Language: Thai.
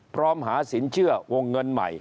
พร้อมหาสินเชื่อวงเงินใหม่